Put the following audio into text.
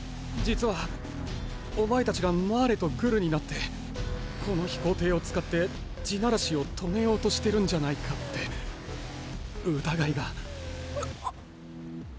実はお前たちがマーレとグルになってこの飛行艇を使って「地鳴らし」を止めようとしてるんじゃないかって疑いが。